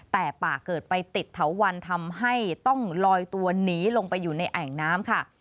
แต่ป่าเกิดไปติดเถาวันทำให้ต้องลอยตัวหนีลงไปอยู่ในแอ่งน้ำค่ะ